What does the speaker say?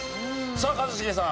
さあ一茂さん。